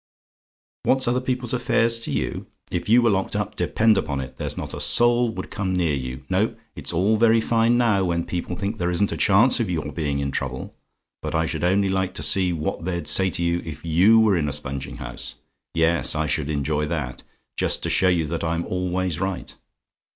"What's other people's affairs to you? If you were locked up, depend upon it, there's not a soul would come near you. No; it's all very fine now, when people think there isn't a chance of your being in trouble but I should only like to see what they'd say to you if YOU were in a sponging house. Yes I should enjoy THAT, just to show you that I'm always right.